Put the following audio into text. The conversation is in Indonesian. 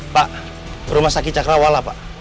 pak rumah sakit cakrawala pak